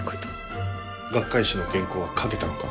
学会誌の原稿は書けたのか？